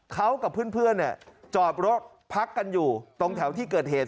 เขากับเพื่อนจอดรถพักกันอยู่ตรงแถวที่เกิดเหตุ